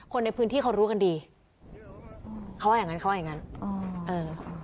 คนในพื้นที่เขารู้กันดีเขาว่าอย่างงั้นเขาว่าอย่างงั้นอืมเออ